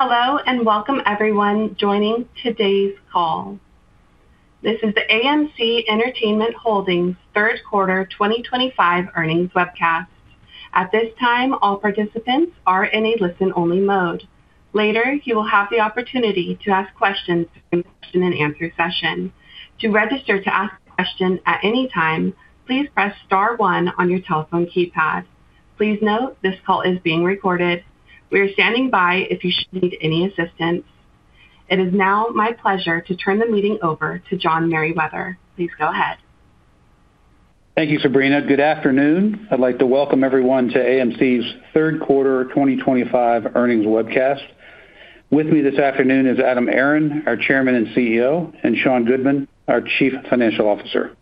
Hello and welcome, everyone, joining today's call. This is the AMC Entertainment Holdings third quarter 2025 earnings webcast. At this time, all participants are in a listen-only mode. Later, you will have the opportunity to ask questions during the question-and-answer session. To register to ask a question at any time, please press star one on your telephone keypad. Please note this call is being recorded. We are standing by if you should need any assistance. It is now my pleasure to turn the meeting over to John Merriweather. Please go ahead. Thank you, Sabrina. Good afternoon. I'd like to welcome everyone to AMC's third quarter 2025 earnings webcast. With me this afternoon is Adam Aron, our Chairman and CEO, and Sean Goodman, our Chief Financial Officer.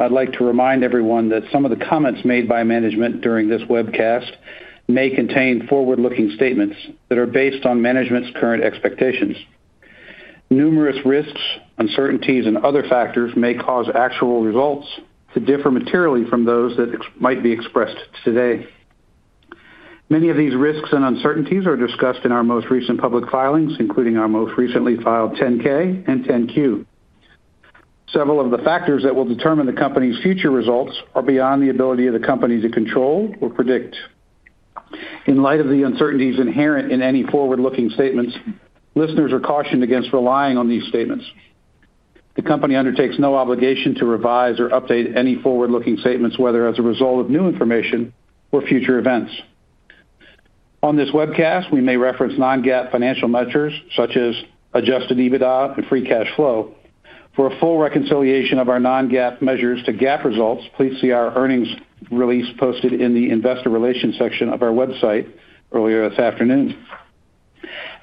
I'd like to remind everyone that some of the comments made by management during this webcast may contain forward-looking statements that are based on management's current expectations. Numerous risks, uncertainties, and other factors may cause actual results to differ materially from those that might be expressed today. Many of these risks and uncertainties are discussed in our most recent public filings, including our most recently filed 10-K and 10-Q. Several of the factors that will determine the company's future results are beyond the ability of the company to control or predict. In light of the uncertainties inherent in any forward-looking statements, listeners are cautioned against relying on these statements. The company undertakes no obligation to revise or update any forward-looking statements, whether as a result of new information or future events. On this webcast, we may reference non-GAAP financial measures such as adjusted EBITDA and free cash flow. For a full reconciliation of our non-GAAP measures to GAAP results, please see our earnings release posted in the investor relations section of our website earlier this afternoon.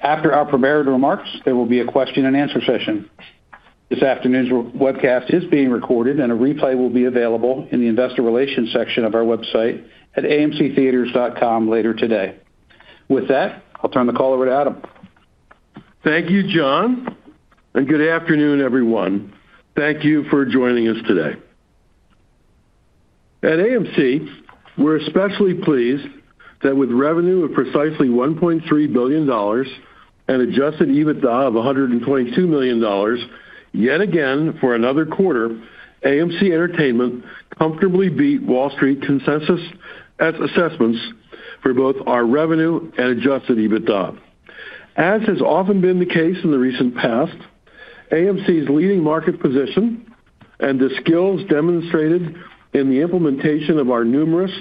After our prepared remarks, there will be a question-and-answer session. This afternoon's webcast is being recorded, and a replay will be available in the investor relations section of our website at amctheaters.com later today. With that, I'll turn the call over to Adam. Thank you, John. Good afternoon, everyone. Thank you for joining us today. At AMC, we're especially pleased that with revenue of precisely $1.3 billion and adjusted EBITDA of $122 million. Yet again for another quarter, AMC Entertainment comfortably beat Wall Street consensus assessments for both our revenue and adjusted EBITDA. As has often been the case in the recent past, AMC's leading market position and the skills demonstrated in the implementation of our numerous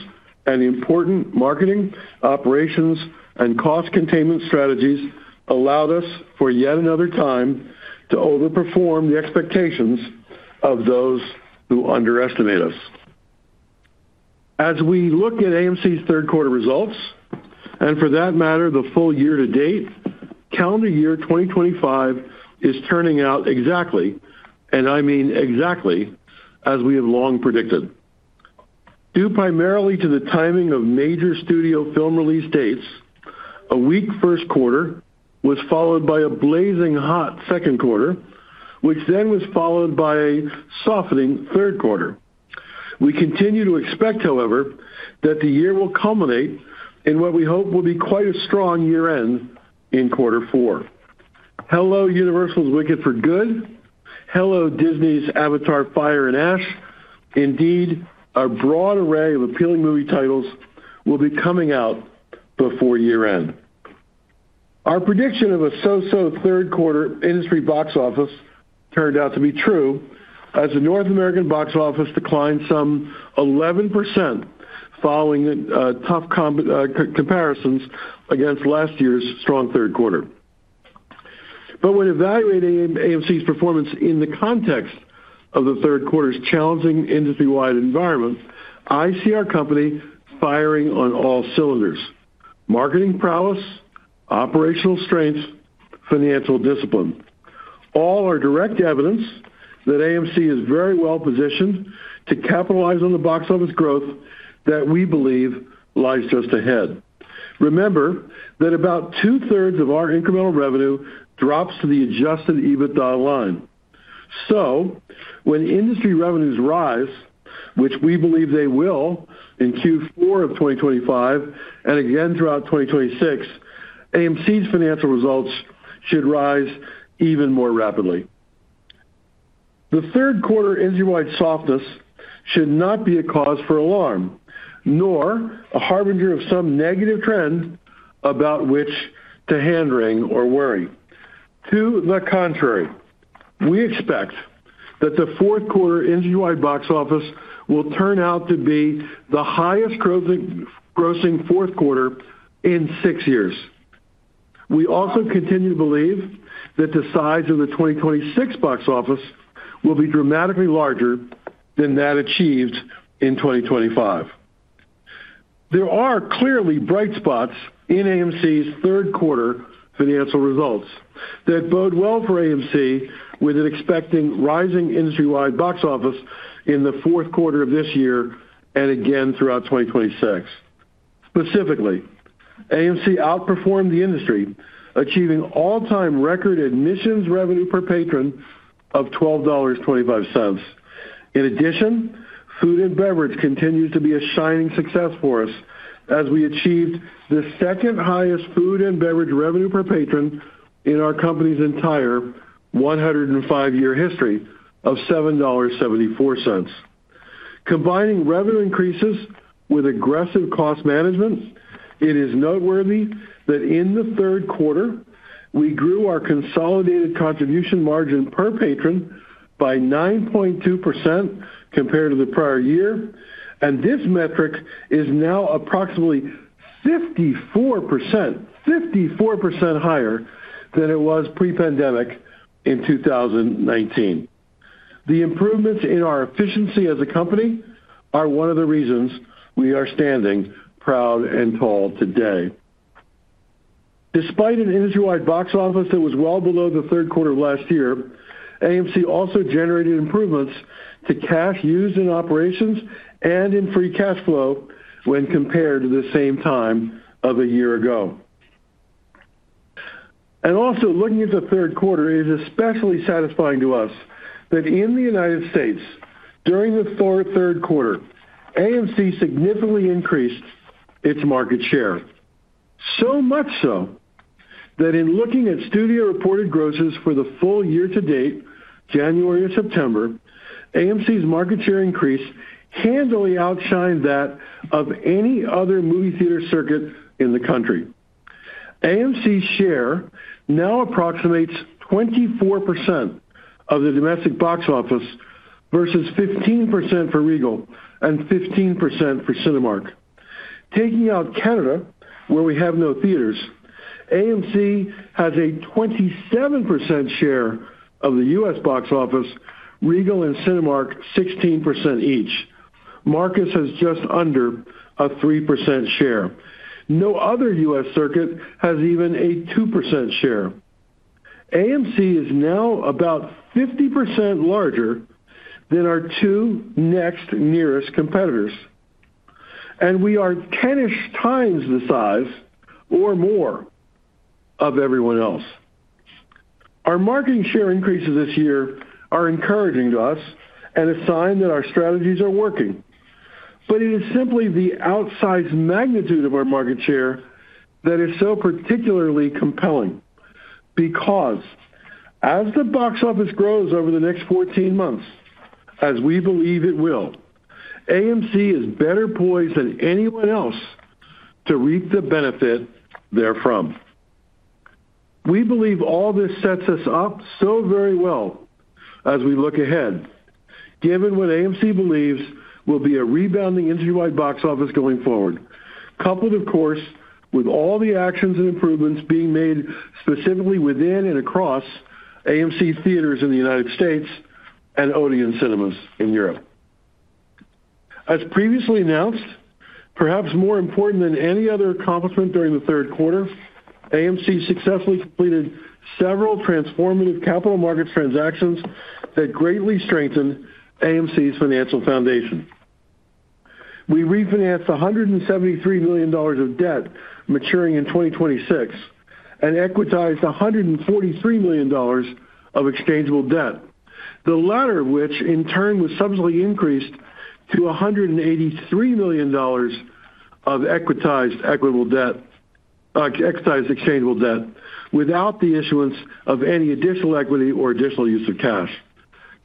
and important marketing operations and cost containment strategies allowed us for yet another time to overperform the expectations of those who underestimate us. As we look at AMC's third quarter results, and for that matter, the full year to date, calendar year 2025 is turning out exactly, and I mean exactly, as we have long predicted. Due primarily to the timing of major studio film release dates, a weak first quarter was followed by a blazing hot second quarter, which then was followed by a softening third quarter. We continue to expect, however, that the year will culminate in what we hope will be quite a strong year-end in quarter four. Hello Universal's Wicked for Good, hello Disney's Avatar: Fire and Ash. Indeed, a broad array of appealing movie titles will be coming out before year-end. Our prediction of a so-so third quarter industry box office turned out to be true as the North American box office declined some 11% following tough comparisons against last year's strong third quarter. When evaluating AMC's performance in the context of the third quarter's challenging industry-wide environment, I see our company firing on all cylinders. Marketing prowess, operational strength, financial discipline, all are direct evidence that AMC is very well positioned to capitalize on the box office growth that we believe lies just ahead. Remember that about two-thirds of our incremental revenue drops to the adjusted EBITDA line. So when industry revenues rise, which we believe they will, in Q4 of 2025 and again throughout 2026, AMC's financial results should rise even more rapidly. The third quarter industry-wide softness should not be a cause for alarm, nor a harbinger of some negative trend about which to hand-wring or worry. To the contrary, we expect that the fourth quarter industry-wide box office will turn out to be the highest-grossing fourth quarter in six years. We also continue to believe that the size of the 2026 box office will be dramatically larger than that achieved in 2025. There are clearly bright spots in AMC's third quarter financial results that bode well for AMC with an expecting rising industry-wide box office in the fourth quarter of this year and again throughout 2026. Specifically, AMC outperformed the industry, achieving all-time record admissions revenue per patron of $12.25. In addition, food and beverage continues to be a shining success for us as we achieved the second highest food and beverage revenue per patron in our company's entire 105-year history of $7.74. Combining revenue increases with aggressive cost management, it is noteworthy that in the third quarter, we grew our consolidated contribution margin per patron by 9.2% compared to the prior year, and this metric is now approximately 54% higher than it was pre-pandemic in 2019. The improvements in our efficiency as a company are one of the reasons we are standing proud and tall today. Despite an industry-wide box office that was well below the third quarter of last year, AMC also generated improvements to cash used in operations and in free cash flow when compared to the same time of a year ago. Also, looking at the third quarter, it is especially satisfying to us that in the United States, during the third quarter, AMC significantly increased its market share. So much so that in looking at studio reported grosses for the full year to date, January and September, AMC's market share increase handily outshined that of any other movie theater circuit in the country. AMC's share now approximates 24% of the domestic box office versus 15% for Regal and 15% for Cinemark. Taking out Canada, where we have no theaters, AMC has a 27% share of the US box office, Regal and Cinemark 16% each. Marcus has just under a 3% share. No other U.S. circuit has even a 2% share. AMC is now about 50% larger than our two next nearest competitors. We are 10-ish times the size or more of everyone else. Our market share increases this year are encouraging to us and a sign that our strategies are working. It is simply the outsized magnitude of our market share that is so particularly compelling because, as the box office grows over the next 14 months, as we believe it will, AMC is better poised than anyone else to reap the benefit therefrom. We believe all this sets us up so very well as we look ahead, given what AMC believes will be a rebounding industry-wide box office going forward, coupled, of course, with all the actions and improvements being made specifically within and across AMC Theatres in the United States and Odeon cinemas in Europe. As previously announced, perhaps more important than any other accomplishment during the third quarter, AMC successfully completed several transformative capital markets transactions that greatly strengthened AMC's financial foundation. We refinanced $173 million of debt maturing in 2026 and equitized $143 million of exchangeable debt, the latter of which in turn was subsequently increased to $183 million of equitized exchangeable debt without the issuance of any additional equity or additional use of cash.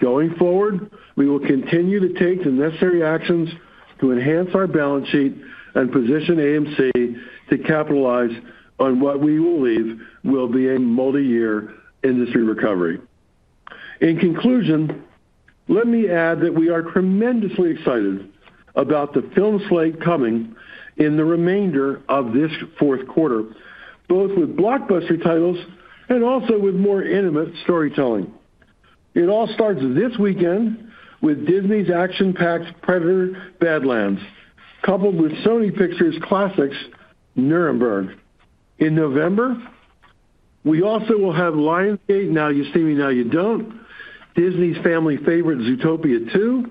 Going forward, we will continue to take the necessary actions to enhance our balance sheet and position AMC to capitalize on what we believe will be a multi-year industry recovery. In conclusion, let me add that we are tremendously excited about the film slate coming in the remainder of this fourth quarter, both with blockbuster titles and also with more intimate storytelling. It all starts this weekend with Disney's action-packed Predator: Badlands, coupled with Sony Pictures' classic Nuremberg. In November. We also will have Lionsgate Now You See Me Now You Don't, Disney's family favorite Zootopia 2,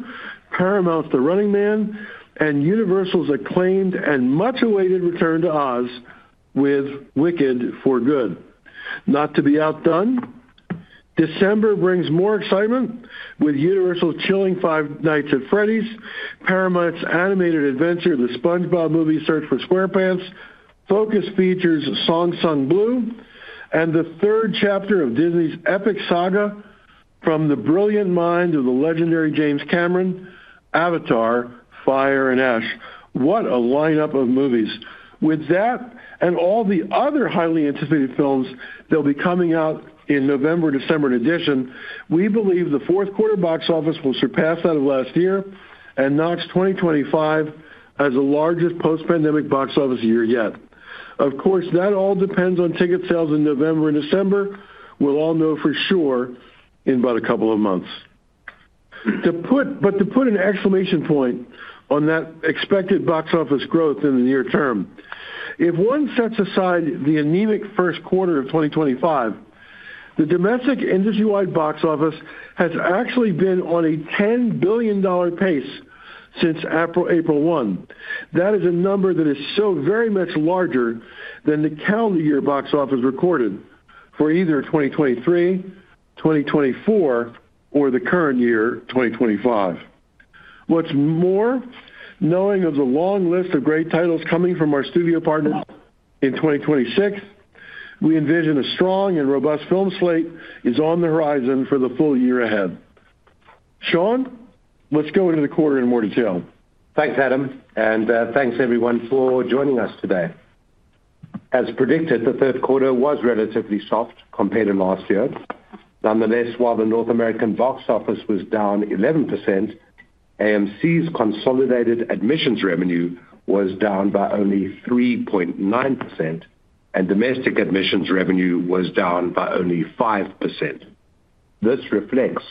Paramount's The Running Man, and Universal's acclaimed and much-awaited return to Oz with Wicked for Good. Not to be outdone. December brings more excitement with Universal's chilling Five Nights at Freddy's, Paramount's animated adventure, the SpongeBob Movie Search for SquarePants, Focus Features Song Sung Blue, and the third chapter of Disney's epic saga from the brilliant mind of the legendary James Cameron, Avatar: Fire and Ash. What a lineup of movies. With that and all the other highly anticipated films that will be coming out in November, December, and addition, we believe the fourth quarter box office will surpass that of last year and knock 2025 as the largest post-pandemic box office year yet. Of course, that all depends on ticket sales in November and December. We'll all know for sure in about a couple of months. To put an exclamation point on that expected box office growth in the near term, if one sets aside the anemic first quarter of 2025, the domestic industry-wide box office has actually been on a $10 billion pace since April 1. That is a number that is so very much larger than the calendar year box office recorded for either 2023, 2024, or the current year, 2025. What's more, knowing of the long list of great titles coming from our studio partners in 2026, we envision a strong and robust film slate is on the horizon for the full year ahead. Sean, let's go into the quarter in more detail. Thanks, Adam. Thanks, everyone, for joining us today. As predicted, the third quarter was relatively soft compared to last year. Nonetheless, while the North American box office was down 11%, AMC's consolidated admissions revenue was down by only 3.9%, and domestic admissions revenue was down by only 5%. This reflects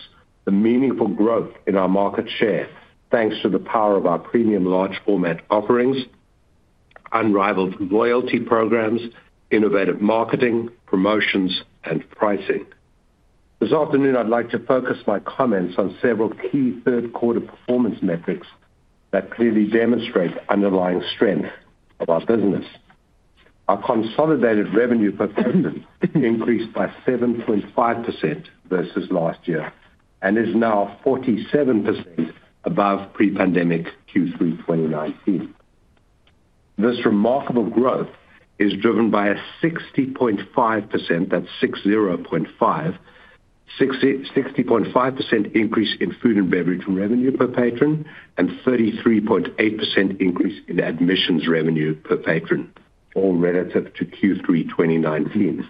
the meaningful growth in our market share, thanks to the power of our premium large format offerings, unrivaled loyalty programs, innovative marketing, promotions, and pricing. This afternoon, I'd like to focus my comments on several key third quarter performance metrics that clearly demonstrate underlying strength of our business. Our consolidated revenue performance increased by 7.5% versus last year and is now 47% above pre-pandemic Q3 2019. This remarkable growth is driven by a 60.5%, that's 60.5. 60.5% increase in food and beverage revenue per patron and 33.8% increase in admissions revenue per patron, all relative to Q3 2019.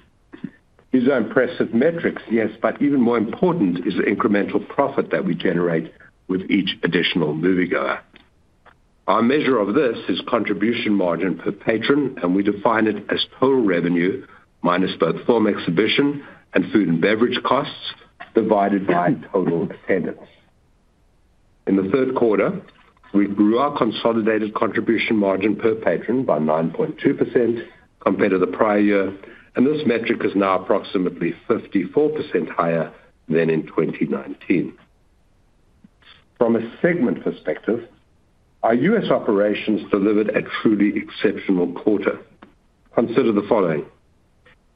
These are impressive metrics, yes, but even more important is the incremental profit that we generate with each additional moviegoer. Our measure of this is contribution margin per patron, and we define it as total revenue minus both film exhibition and food and beverage costs divided by total attendance. In the third quarter, we grew our consolidated contribution margin per patron by 9.2% compared to the prior year, and this metric is now approximately 54% higher than in 2019. From a segment perspective, our U.S. operations delivered a truly exceptional quarter. Consider the following.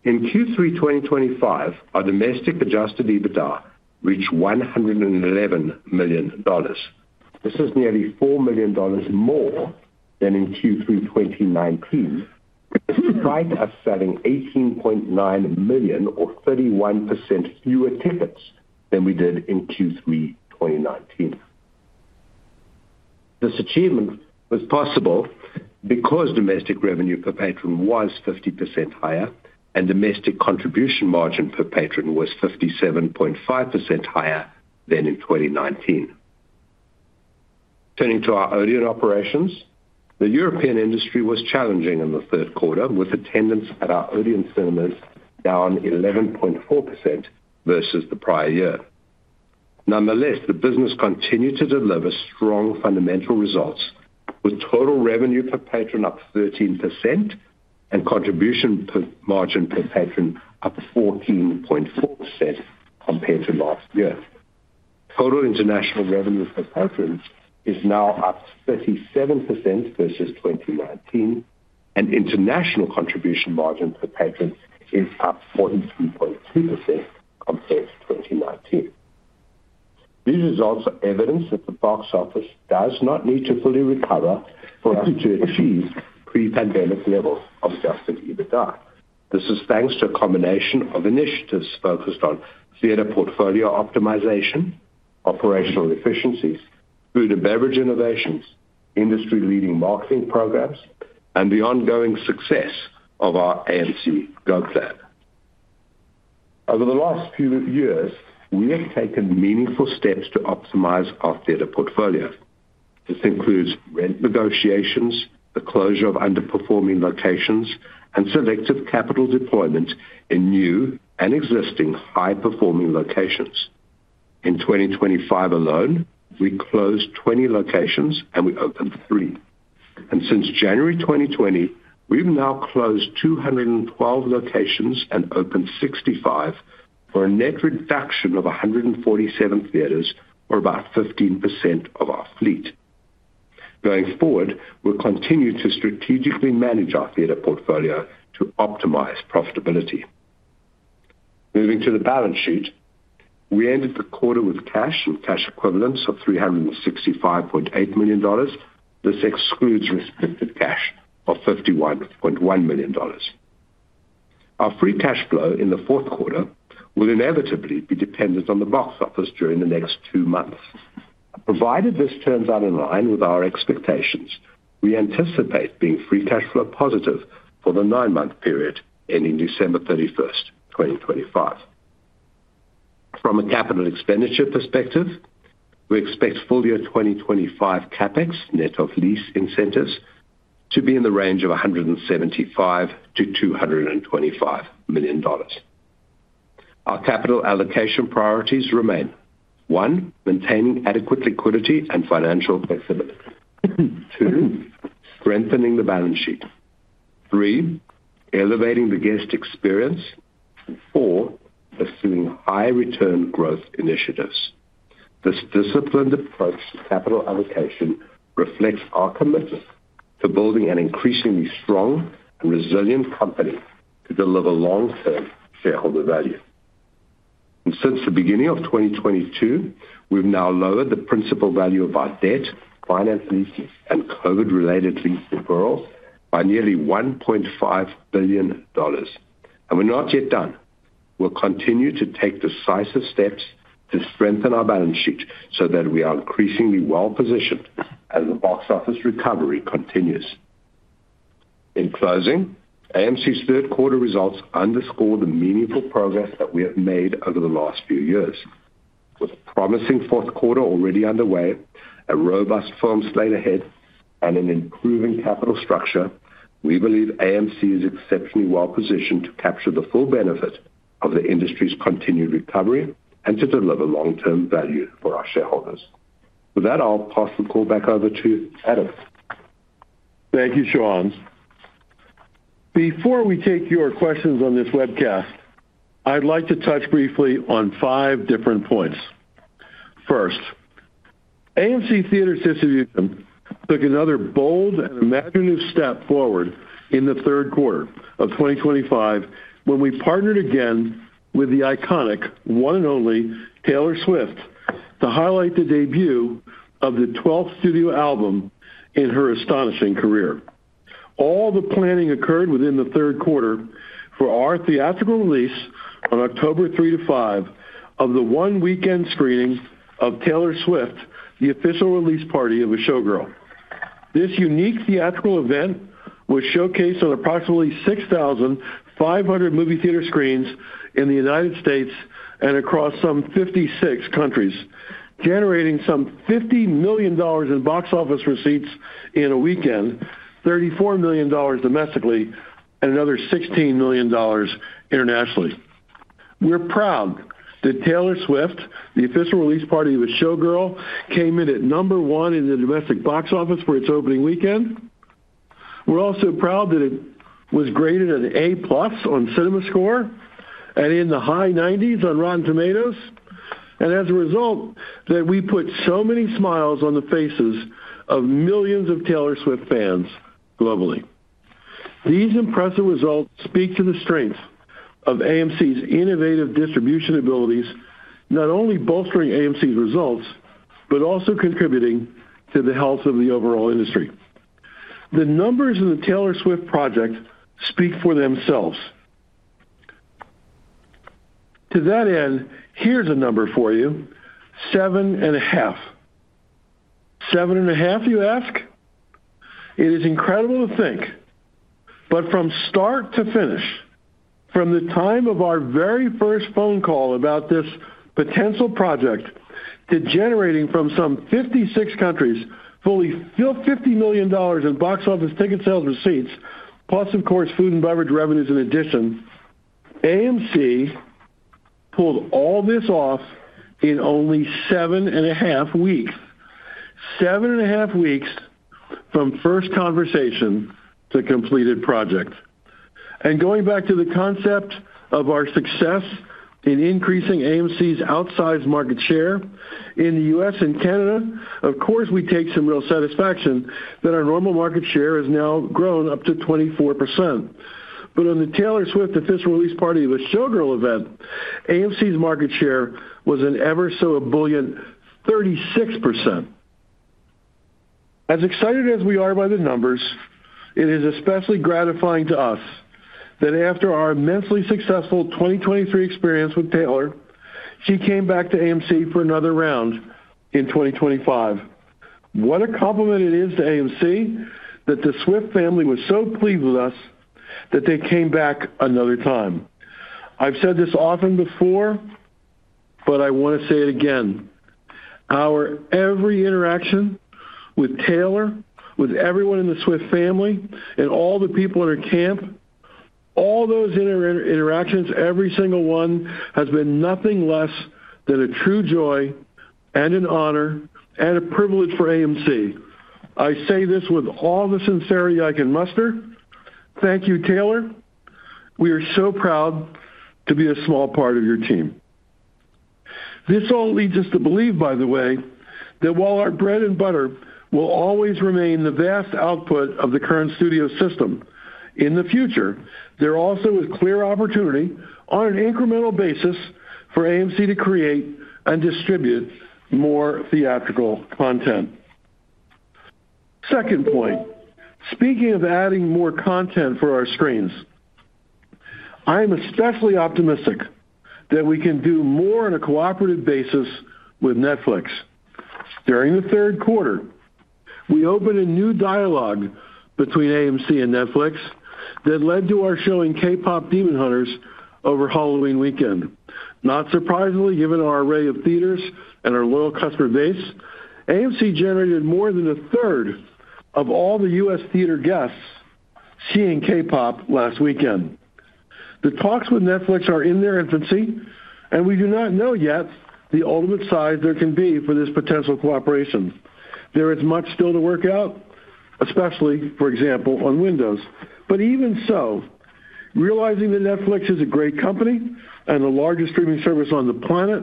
In Q3 2025, our domestic adjusted EBITDA reached $111 million. This is nearly $4 million more than in Q3 2019. Despite us selling 18.9 million, or 31% fewer tickets than we did in Q3 2019. This achievement was possible because domestic revenue per patron was 50% higher, and domestic contribution margin per patron was 57.5% higher than in 2019. Turning to our Odeon operations, the European industry was challenging in the third quarter, with attendance at our Odeon cinemas down 11.4% versus the prior year. Nonetheless, the business continued to deliver strong fundamental results, with total revenue per patron up 13% and contribution margin per patron up 14.4% compared to last year. Total international revenue per patron is now up 37% versus 2019, and international contribution margin per patron is up 43.2% compared to 2019. These results are evidence that the box office does not need to fully recover for us to achieve pre-pandemic levels of adjusted EBITDA. This is thanks to a combination of initiatives focused on theater portfolio optimization, operational efficiencies, food and beverage innovations, industry-leading marketing programs, and the ongoing success of our AMC GO plan. Over the last few years, we have taken meaningful steps to optimize our theater portfolio. This includes rent negotiations, the closure of underperforming locations, and selective capital deployment in new and existing high-performing locations. In 2025 alone, we closed 20 locations and we opened 3. Since January 2020, we've now closed 212 locations and opened 65, for a net reduction of 147 theaters, or about 15% of our fleet. Going forward, we'll continue to strategically manage our theater portfolio to optimize profitability. Moving to the balance sheet, we ended the quarter with cash and cash equivalents of $365.8 million. This excludes restricted cash of $51.1 million. Our free cash flow in the fourth quarter will inevitably be dependent on the box office during the next two months. Provided this turns out in line with our expectations, we anticipate being free cash flow positive for the nine-month period ending December 31, 2025. From a capital expenditure perspective, we expect full year 2025 CapEx, net of lease incentives, to be in the range of $175 million-$225 million. Our capital allocation priorities remain: one, maintaining adequate liquidity and financial flexibility; two, strengthening the balance sheet; three, elevating the guest experience; and four, pursuing high-return growth initiatives. This disciplined approach to capital allocation reflects our commitment to building an increasingly strong and resilient company to deliver long-term shareholder value. Since the beginning of 2022, we have now lowered the principal value of our debt, finance leases, and COVID-related lease referrals by nearly $1.5 billion. We are not yet done. will continue to take decisive steps to strengthen our balance sheet so that we are increasingly well-positioned as the box office recovery continues. In closing, AMC's third quarter results underscore the meaningful progress that we have made over the last few years. With a promising fourth quarter already underway, a robust film slate ahead, and an improving capital structure, we believe AMC is exceptionally well-positioned to capture the full benefit of the industry's continued recovery and to deliver long-term value for our shareholders. With that, I will pass the call back over to Adam. Thank you, Sean. Before we take your questions on this webcast, I'd like to touch briefly on five different points. First. AMC Theater Distribution took another bold and imaginative step forward in the third quarter of 2025 when we partnered again with the iconic, one and only Taylor Swift to highlight the debut of the 12th studio album in her astonishing career. All the planning occurred within the third quarter for our theatrical release on October 3 to 5 of the one-weekend screening of Taylor Swift: The Official Release Party of a Showgirl. This unique theatrical event was showcased on approximately 6,500 movie theater screens in the United States and across some 56 countries, generating some $50 million in box office receipts in a weekend, $34 million domestically, and another $16 million internationally. We're proud that Taylor Swift: The Official Release Party of a Showgirl came in at number one in the domestic box office for its opening weekend. We're also proud that it was graded an A+ on CinemaScore and in the high 90s on Rotten Tomatoes. As a result, we put so many smiles on the faces of millions of Taylor Swift fans globally. These impressive results speak to the strength of AMC's innovative distribution abilities, not only bolstering AMC's results, but also contributing to the health of the overall industry. The numbers in the Taylor Swift project speak for themselves. To that end, here's a number for you: seven and a half. Seven and a half, you ask? It is incredible to think. From start to finish, from the time of our very first phone call about this potential project to generating from some 56 countries fully $50 million in box office ticket sales receipts, plus, of course, food and beverage revenues in addition. AMC pulled all this off in only seven and a half weeks. Seven and a half weeks from first conversation to completed project. Going back to the concept of our success in increasing AMC's outsized market share in the U.S. and Canada, of course, we take some real satisfaction that our normal market share has now grown up to 24%. On the Taylor Swift: The Official Release Party of a Showgirl event, AMC's market share was an ever so ebullient 36%. As excited as we are by the numbers, it is especially gratifying to us that after our immensely successful 2023 experience with Taylor, she came back to AMC for another round in 2025. What a compliment it is to AMC that the Swift family was so pleased with us that they came back another time. I've said this often before, but I want to say it again. Our every interaction with Taylor, with everyone in the Swift family, and all the people in her camp. All those interactions, every single one, has been nothing less than a true joy and an honor and a privilege for AMC. I say this with all the sincerity I can muster. Thank you, Taylor. We are so proud to be a small part of your team. This all leads us to believe, by the way, that while our bread and butter will always remain the vast output of the current studio system, in the future, there also is clear opportunity on an incremental basis for AMC to create and distribute more theatrical content. Second point, speaking of adding more content for our screens. I am especially optimistic that we can do more on a cooperative basis with Netflix. During the third quarter, we opened a new dialogue between AMC and Netflix that led to our showing K-pop Demon Hunters over Halloween weekend. Not surprisingly, given our array of theaters and our loyal customer base, AMC generated more than a third of all the U.S. theater guests seeing K-pop last weekend. The talks with Netflix are in their infancy, and we do not know yet the ultimate size there can be for this potential cooperation. There is much still to work out, especially, for example, on Windows. Even so, realizing that Netflix is a great company and the largest streaming service on the planet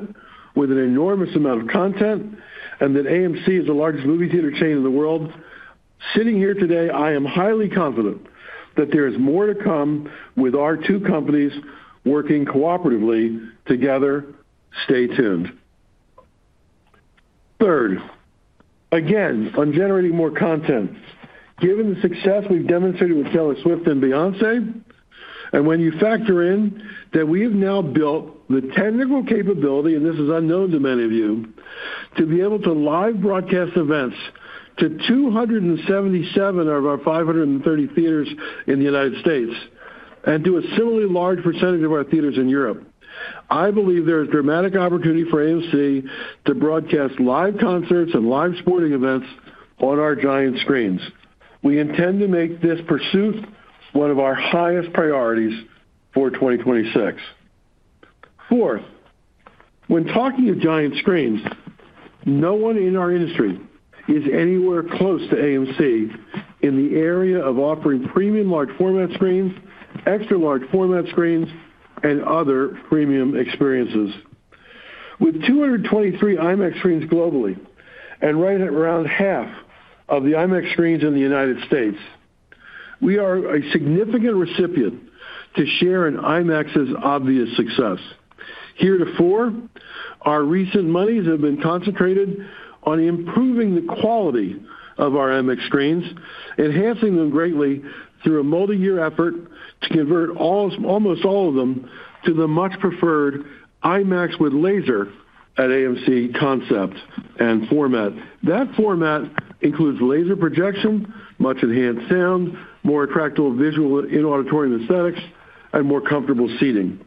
with an enormous amount of content, and that AMC is the largest movie theater chain in the world. Sitting here today, I am highly confident that there is more to come with our two companies working cooperatively together. Stay tuned. Third. Again, on generating more content, given the success we've demonstrated with Taylor Swift and Beyoncé, and when you factor in that we have now built the technical capability, and this is unknown to many of you, to be able to live broadcast events to 277 of our 530 theaters in the United States and to a similarly large percentage of our theaters in Europe, I believe there is dramatic opportunity for AMC to broadcast live concerts and live sporting events on our giant screens. We intend to make this pursuit one of our highest priorities for 2026. Fourth, when talking of giant screens. No one in our industry is anywhere close to AMC in the area of offering premium large format screens, extra large format screens, and other premium experiences. With 223 IMAX screens globally and right at around half of the IMAX screens in the United States, we are a significant recipient to share in IMAX's obvious success. Heretofore, our recent monies have been concentrated on improving the quality of our IMAX screens, enhancing them greatly through a multi-year effort to convert almost all of them to the much preferred IMAX with laser at AMC concept and format. That format includes laser projection, much enhanced sound, more attractive visual and auditorium aesthetics, and more comfortable seating.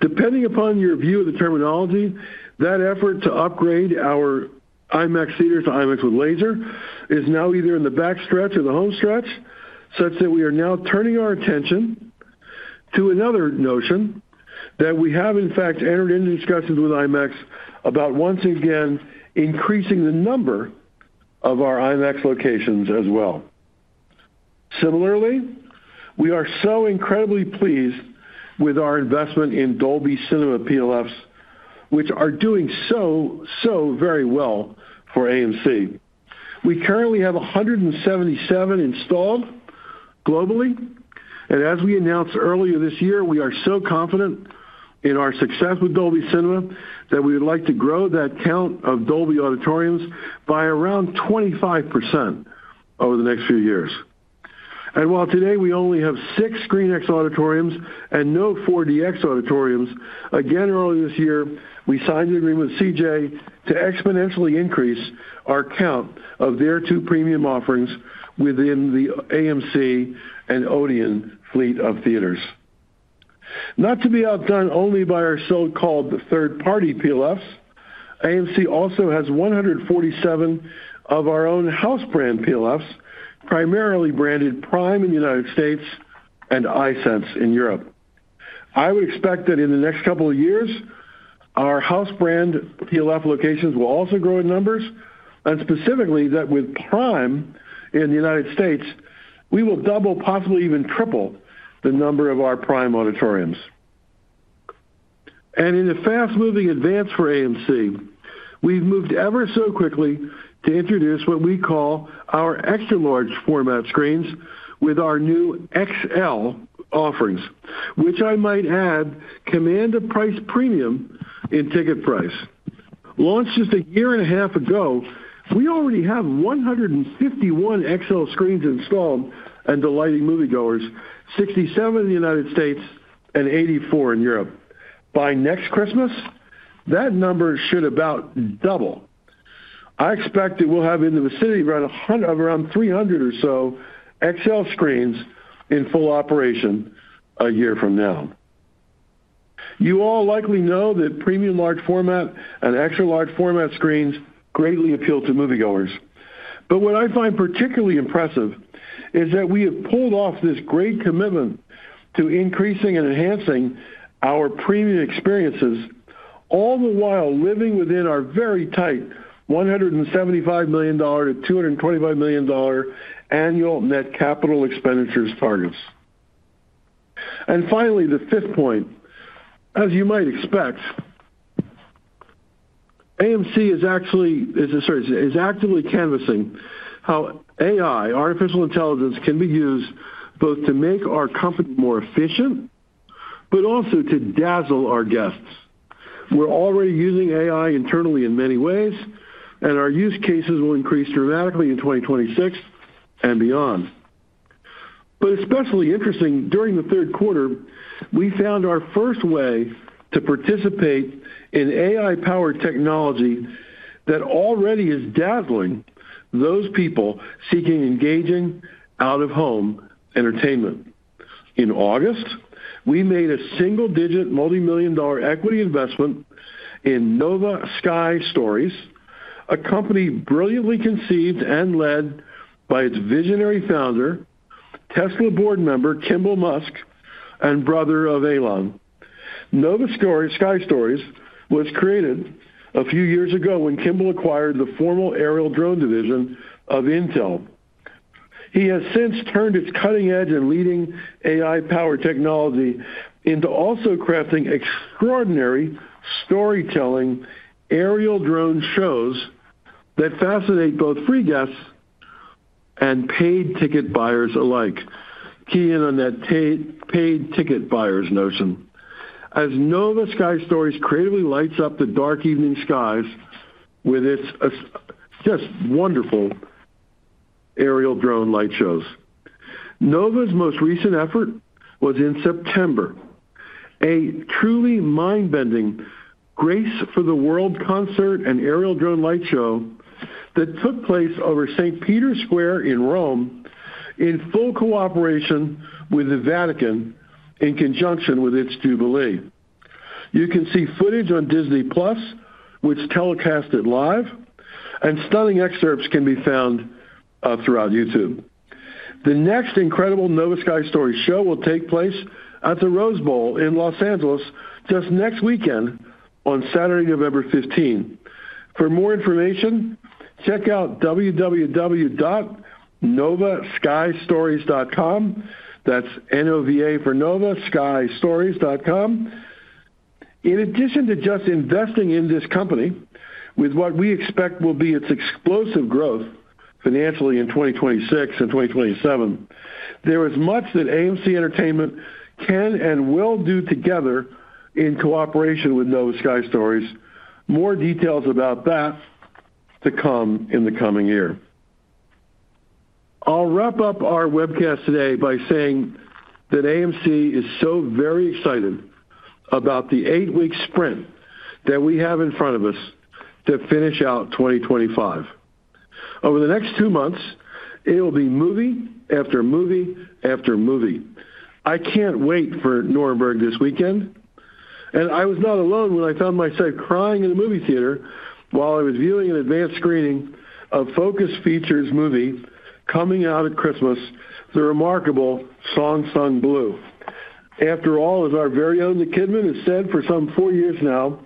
Depending upon your view of the terminology, that effort to upgrade our IMAX theaters to IMAX with laser is now either in the back stretch or the home stretch, such that we are now turning our attention to another notion that we have, in fact, entered into discussions with IMAX about once again increasing the number of our IMAX locations as well. Similarly, we are so incredibly pleased with our investment in Dolby Cinema PLFs, which are doing so, so very well for AMC. We currently have 177 installed globally, and as we announced earlier this year, we are so confident in our success with Dolby Cinema that we would like to grow that count of Dolby auditoriums by around 25% over the next few years. While today we only have six ScreenX auditoriums and no 4DX auditoriums, earlier this year, we signed an agreement with CJ to exponentially increase our count of their two premium offerings within the AMC and Odeon fleet of theaters. Not to be outdone only by our so-called third-party PLFs, AMC also has 147 of our own house brand PLFs, primarily branded Prime in the United States and ISENSE in Europe. I would expect that in the next couple of years, our house brand PLF locations will also grow in numbers, and specifically that with Prime in the United States, we will double, possibly even triple the number of our Prime auditoriums. In a fast-moving advance for AMC, we've moved ever so quickly to introduce what we call our extra large format screens with our new XL offerings, which I might add, command a price premium in ticket price. Launched just a year and a half ago, we already have 151 XL screens installed and delighting moviegoers, 67 in the United States and 84 in Europe. By next Christmas, that number should about double. I expect that we'll have in the vicinity of around 300 or so XL screens in full operation a year from now. You all likely know that premium large format and extra large format screens greatly appeal to moviegoers. What I find particularly impressive is that we have pulled off this great commitment to increasing and enhancing our premium experiences, all the while living within our very tight $175 million-$225 million. Annual net capital expenditures targets. Finally, the fifth point. As you might expect, AMC is actually, sorry, is actively canvassing how AI, artificial intelligence, can be used both to make our company more efficient but also to dazzle our guests. We're already using AI internally in many ways, and our use cases will increase dramatically in 2026 and beyond. Especially interesting, during the third quarter, we found our first way to participate in AI-powered technology that already is dazzling those people seeking engaging out-of-home entertainment. In August, we made a single-digit multi-million dollar equity investment in Nova Sky Stories, a company brilliantly conceived and led by its visionary founder, Tesla board member, Kimbal Musk, and brother of Elon. Nova Sky Stories was created a few years ago when Kimbal acquired the former aerial drone division of Intel. He has since turned its cutting edge and leading AI-powered technology into also crafting extraordinary storytelling aerial drone shows that fascinate both free guests and paid ticket buyers alike. Key in on that paid ticket buyers notion. As Nova Sky Stories creatively lights up the dark evening skies with its just wonderful aerial drone light shows. Nova's most recent effort was in September. A truly mind-bending Grace for the World concert and aerial drone light show that took place over St. Peter's Square in Rome in full cooperation with the Vatican in conjunction with its Jubilee. You can see footage on Disney+, which telecasted live, and stunning excerpts can be found throughout YouTube. The next incredible Nova Sky Stories show will take place at the Rose Bowl in Los Angeles just next weekend on Saturday, November 15. For more information, check out www.novaskystories.com. That's N-O-V-A for novaskystories.com. In addition to just investing in this company with what we expect will be its explosive growth financially in 2026 and 2027, there is much that AMC Entertainment can and will do together in cooperation with Nova Sky Stories. More details about that to come in the coming year. I'll wrap up our webcast today by saying that AMC is so very excited about the eight-week sprint that we have in front of us to finish out 2025. Over the next two months, it will be movie after movie after movie. I can't wait for Nuremberg this weekend. I was not alone when I found myself crying in the movie theater while I was viewing an advanced screening of Focus Features' movie coming out at Christmas, The Remarkable Song Sung Blue. After all, as our very own Nicole Kidman has said for some four years now,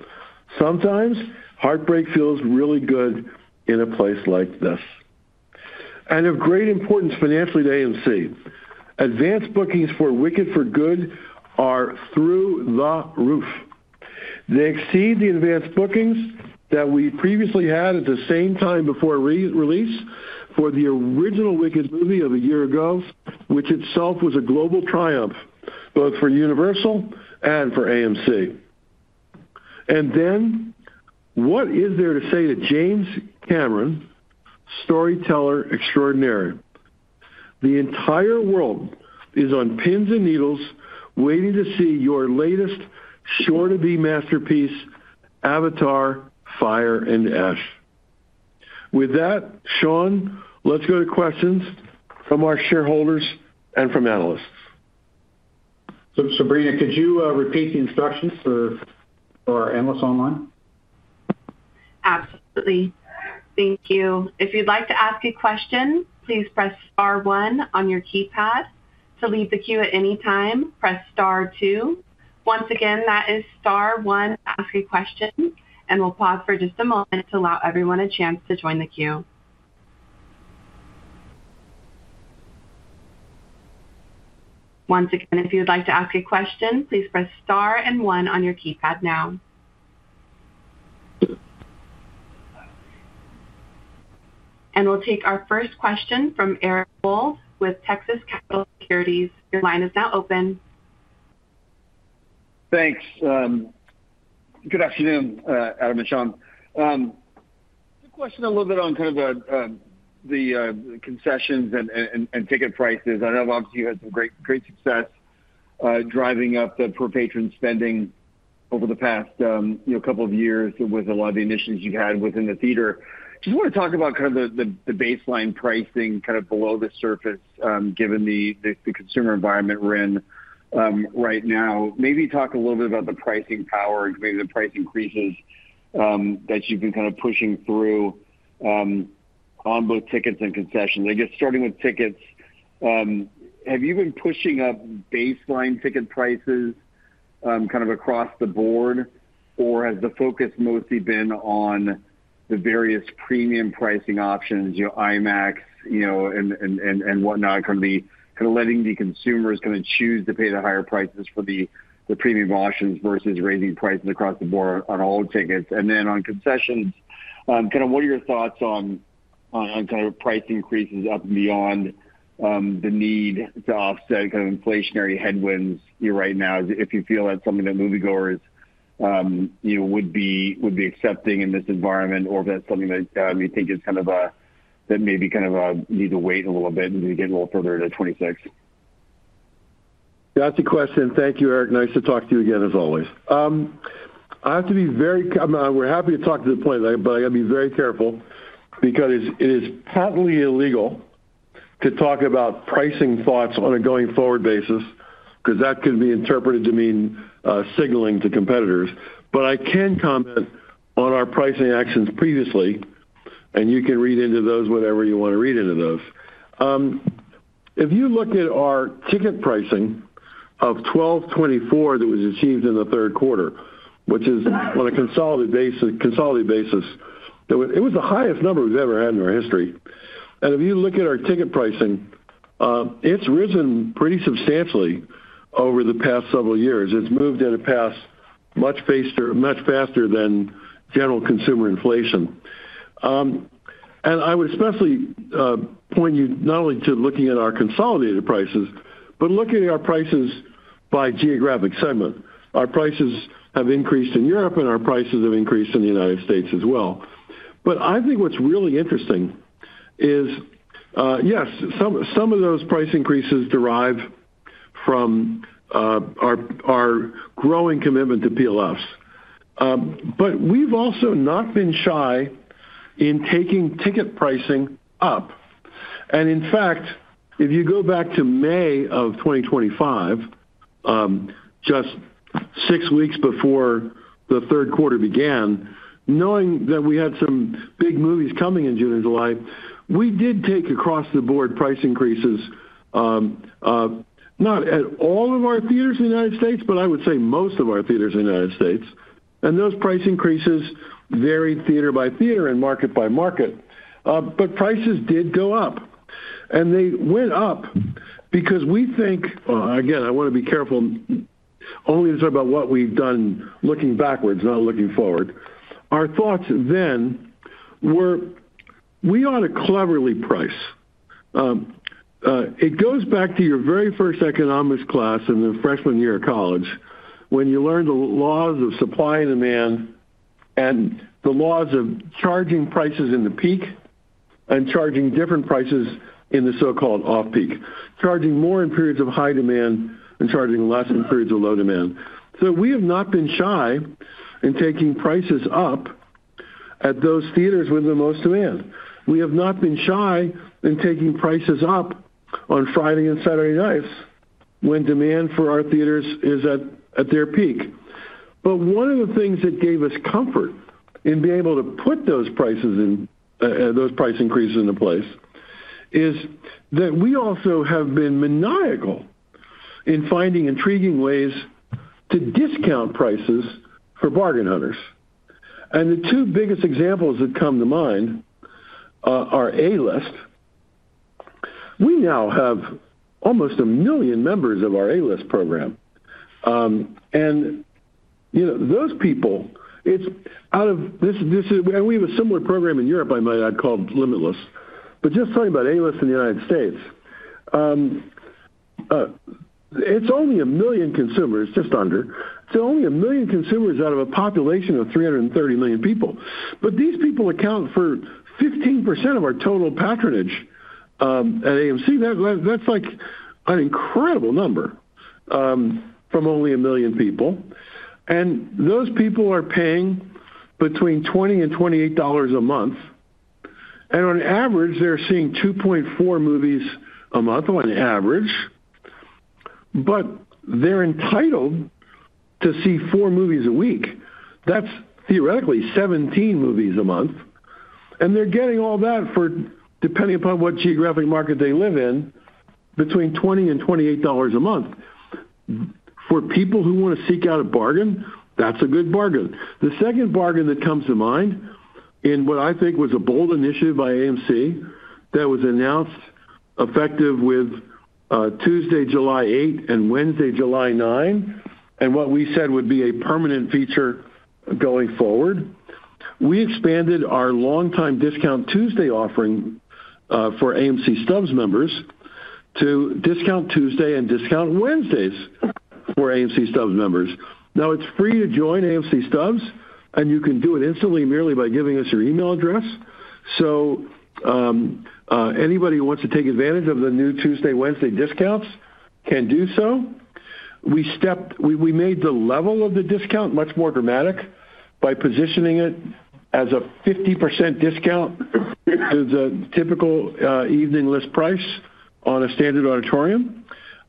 sometimes heartbreak feels really good in a place like this. Of great importance financially to AMC, advanced bookings for Wicked for Good are through the roof. They exceed the advanced bookings that we previously had at the same time before release for the original Wicked movie of a year ago, which itself was a global triumph both for Universal and for AMC. What is there to say to James Cameron, storyteller extraordinary? The entire world is on pins and needles waiting to see your latest sure-to-be masterpiece, Avatar: Fire and Ash. With that, Sean, let's go to questions from our shareholders and from analysts. Sabrina, could you repeat the instructions for our analysts online? Absolutely. Thank you. If you'd like to ask a question, please press star one on your keypad. To leave the queue at any time, press star two. Once again, that is star one, ask a question, and we'll pause for just a moment to allow everyone a chance to join the queue. Once again, if you'd like to ask a question, please press Star and one on your keypad now. We'll take our first question from Eric Wold with Texas Capital Securities. Your line is now open. Thanks. Good afternoon, Adam and Sean. Quick question a little bit on kind of the concessions and ticket prices. I know, obviously, you had some great success driving up the per-patron spending over the past couple of years with a lot of the initiatives you've had within the theater. Just want to talk about kind of the baseline pricing kind of below the surface, given the consumer environment we're in right now. Maybe talk a little bit about the pricing power and maybe the price increases that you've been kind of pushing through on both tickets and concessions. I guess starting with tickets, have you been pushing up baseline ticket prices kind of across the board, or has the focus mostly been on the various premium pricing options, IMAX and whatnot, kind of letting the consumers kind of choose to pay the higher prices for the premium options versus raising prices across the board on all tickets? On concessions, kind of what are your thoughts on kind of price increases up and beyond the need to offset kind of inflationary headwinds right now? If you feel that's something that moviegoers. Would be accepting in this environment, or if that's something that you think is kind of a that maybe kind of needs a wait a little bit to get a little further into 2026? That's a good question. Thank you, Eric. Nice to talk to you again, as always. I have to be very—we're happy to talk to the play, but I got to be very careful because it is patently illegal to talk about pricing thoughts on a going-forward basis because that could be interpreted to mean signaling to competitors. I can comment on our pricing actions previously, and you can read into those whatever you want to read into those. If you look at our ticket pricing of $12.24 that was achieved in the third quarter, which is on a consolidated basis, it was the highest number we've ever had in our history. If you look at our ticket pricing, it's risen pretty substantially over the past several years. It's moved in a path much faster than general consumer inflation. I would especially point you not only to looking at our consolidated prices, but looking at our prices by geographic segment. Our prices have increased in Europe, and our prices have increased in the United States as well. I think what's really interesting is, yes, some of those price increases derive from our growing commitment to PLFs. We've also not been shy in taking ticket pricing up. In fact, if you go back to May of 2025, just six weeks before the third quarter began, knowing that we had some big movies coming in June and July, we did take across-the-board price increases. Not at all of our theaters in the United States, but I would say most of our theaters in the United States. Those price increases varied theater by theater and market by market. Prices did go up. They went up because we think—again, I want to be careful. Only to talk about what we have done looking backwards, not looking forward. Our thoughts then were we ought to cleverly price. It goes back to your very first economics class in the freshman year of college when you learned the laws of supply and demand. The laws of charging prices in the peak and charging different prices in the so-called off-peak, charging more in periods of high demand and charging less in periods of low demand. We have not been shy in taking prices up at those theaters with the most demand. We have not been shy in taking prices up on Friday and Saturday nights when demand for our theaters is at their peak. One of the things that gave us comfort in being able to put those prices into place is that we also have been maniacal in finding intriguing ways to discount prices for bargain hunters. The two biggest examples that come to mind are A-List. We now have almost a million members of our A-List program. We have a similar program in Europe, I might add, called Limitless. Just talking about A-List in the United States, it is only a million consumers, just under. It is only a million consumers out of a population of 330 million people. These people account for 15% of our total patronage at AMC. That is an incredible number from only a million people. Those people are paying between $20 and $28 a month. On average, they're seeing 2.4 movies a month on average. They're entitled to see four movies a week. That's theoretically 17 movies a month. They're getting all that for, depending upon what geographic market they live in, between $20 and $28 a month. For people who want to seek out a bargain, that's a good bargain. The second bargain that comes to mind, in what I think was a bold initiative by AMC that was announced effective with Tuesday, July 8, and Wednesday, July 9, and what we said would be a permanent feature going forward, we expanded our long-time discount Tuesday offering for AMC Stubs members to discount Tuesday and discount Wednesdays for AMC Stubs members. Now, it's free to join AMC Stubs, and you can do it instantly merely by giving us your email address. So, anybody who wants to take advantage of the new Tuesday, Wednesday discounts can do so. We made the level of the discount much more dramatic by positioning it as a 50% discount to the typical evening list price on a standard auditorium.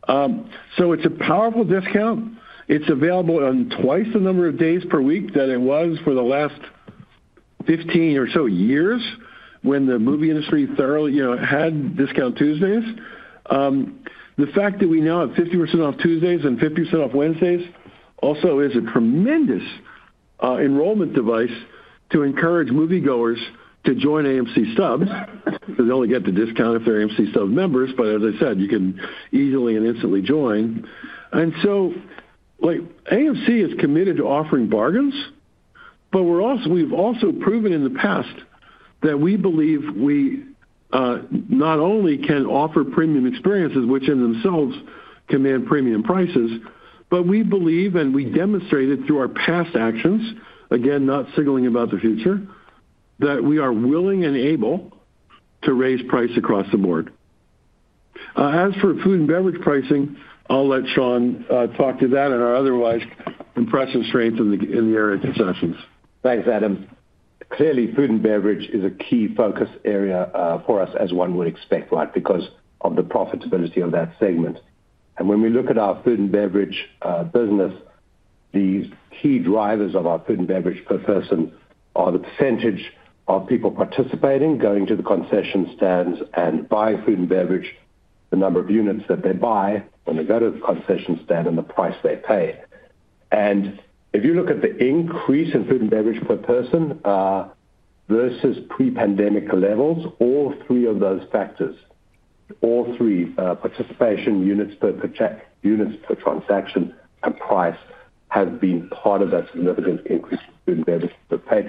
It's a powerful discount. It's available on twice the number of days per week than it was for the last 15 or so years when the movie industry thoroughly had discount Tuesdays. The fact that we now have 50% off Tuesdays and 50% off Wednesdays also is a tremendous enrollment device to encourage moviegoers to join AMC Stubs, because they only get the discount if they're AMC Stubs members. As I said, you can easily and instantly join. And so. AMC is committed to offering bargains, but we've also proven in the past that we believe we not only can offer premium experiences, which in themselves command premium prices, but we believe and we demonstrated through our past actions, again, not signaling about the future, that we are willing and able to raise price across the board. As for food and beverage pricing, I'll let Sean talk to that and our otherwise impressive strength in the area of concessions. Thanks, Adam. Clearly, food and beverage is a key focus area for us, as one would expect, right, because of the profitability of that segment. And when we look at our food and beverage business. The key drivers of our food and beverage per person are the percentage of people participating, going to the concession stands and buying food and beverage, the number of units that they buy when they go to the concession stand, and the price they pay. If you look at the increase in food and beverage per person versus pre-pandemic levels, all three of those factors, all three—participation, units per check, units per transaction, and price—have been part of that significant increase in food and beverage per pay.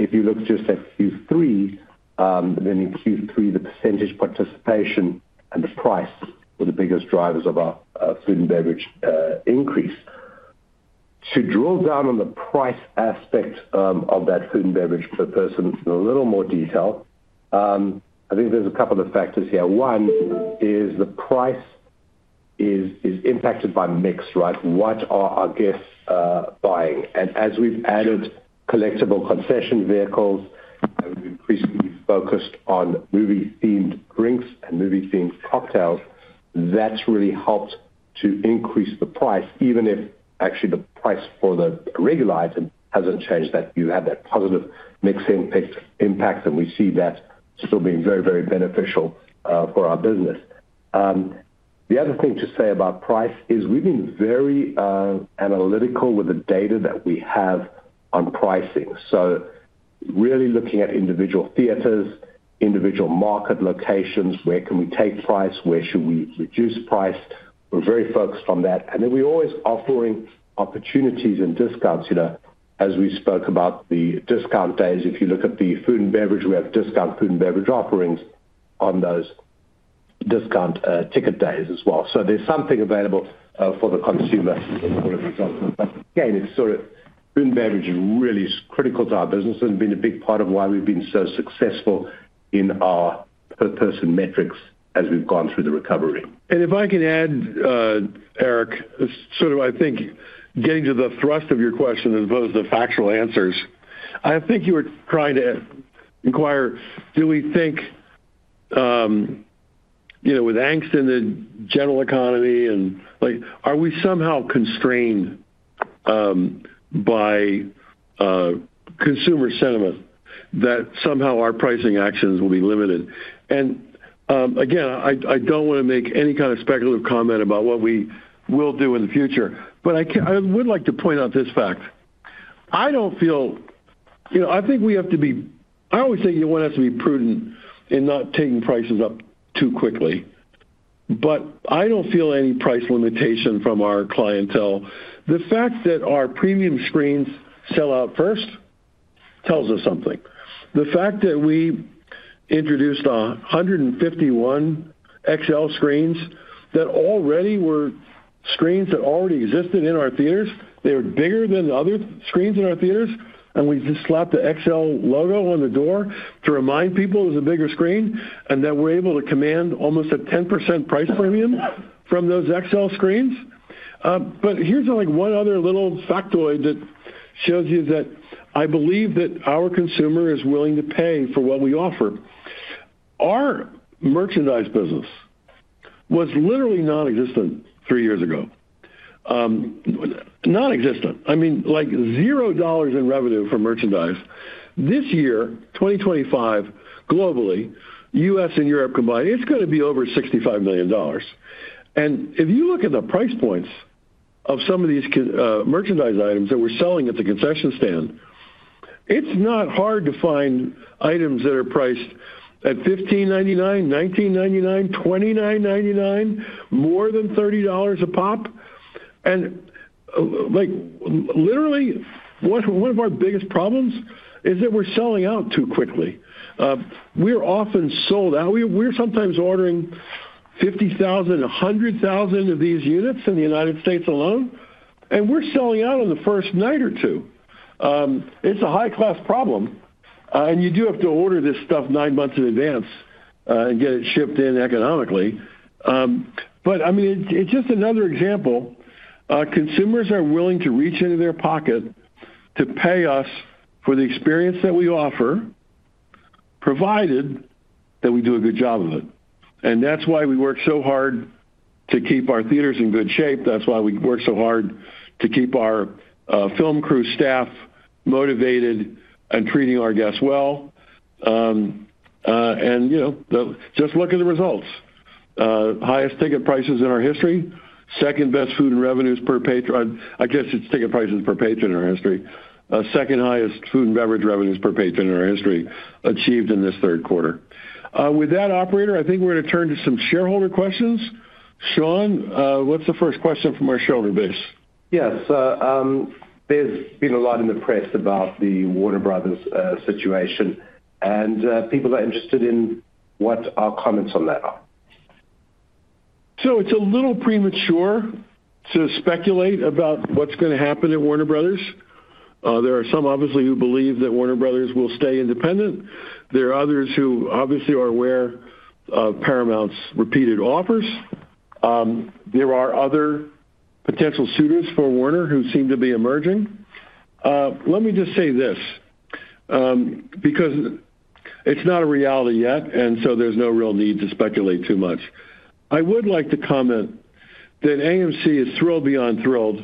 If you look just at Q3, in Q3, the percentage participation and the price were the biggest drivers of our food and beverage increase. To drill down on the price aspect of that food and beverage per person in a little more detail, I think there are a couple of factors here. One is the price is impacted by mix, right? What are our guests buying? As we've added collectible concession vehicles and we've increasingly focused on movie-themed drinks and movie-themed cocktails, that's really helped to increase the price, even if actually the price for the regular item hasn't changed. You have that positive mixed impact, and we see that still being very, very beneficial for our business. The other thing to say about price is we've been very analytical with the data that we have on pricing. Really looking at individual theaters, individual market locations, where can we take price, where should we reduce price. We're very focused on that. We're always offering opportunities and discounts. As we spoke about the discount days, if you look at the food and beverage, we have discount food and beverage offerings on those discount ticket days as well. There's something available for the consumer in order to jump. Again, food and beverage is really critical to our business and has been a big part of why we've been so successful in our per-person metrics as we've gone through the recovery. If I can add, Eric, I think getting to the thrust of your question as opposed to the factual answers, I think you were trying to inquire, do we think with angst in the general economy, are we somehow constrained by consumer sentiment that somehow our pricing actions will be limited? I do not want to make any kind of speculative comment about what we will do in the future, but I would like to point out this fact. I do not feel—I think we have to be, I always think one has to be prudent in not taking prices up too quickly. I do not feel any price limitation from our clientele. The fact that our premium screens sell out first tells us something. The fact that we introduced 151 XL screens that already were screens that already existed in our theaters, they were bigger than other screens in our theaters, and we just slapped the XL logo on the door to remind people it was a bigger screen, and that we're able to command almost a 10% price premium from those XL screens. Here's one other little factoid that shows you that I believe that our consumer is willing to pay for what we offer. Our merchandise business was literally nonexistent three years ago. Nonexistent. I mean, like $0 in revenue for merchandise. This year, 2025, globally, U.S. and Europe combined, it's going to be over $65 million. If you look at the price points of some of these merchandise items that we're selling at the concession stand. It's not hard to find items that are priced at $15.99, $19.99, $29.99, more than $30 a pop. Literally, one of our biggest problems is that we're selling out too quickly. We're often sold out. We're sometimes ordering 50,000, 100,000 of these units in the United States alone, and we're selling out on the first night or two. It's a high-class problem. You do have to order this stuff nine months in advance and get it shipped in economically. I mean, it's just another example. Consumers are willing to reach into their pocket to pay us for the experience that we offer, provided that we do a good job of it. That's why we work so hard to keep our theaters in good shape. That's why we work so hard to keep our film crew staff motivated and treating our guests well. Just look at the results. Highest ticket prices in our history, second best food and revenues per patron. I guess it's ticket prices per patron in our history. Second highest food and beverage revenues per patron in our history achieved in this third quarter. With that, operator, I think we're going to turn to some shareholder questions. Sean, what's the first question from our shareholder base? Yes. There's been a lot in the press about the Warner Bros. situation, and people are interested in what our comments on that are. It is a little premature to speculate about what's going to happen at Warner Bros. There are some, obviously, who believe that Warner Bros. will stay independent. There are others who obviously are aware of Paramount's repeated offers. There are other potential suitors for Warner who seem to be emerging. Let me just say this. Because. It's not a reality yet, and so there's no real need to speculate too much. I would like to comment that AMC is thrilled beyond thrilled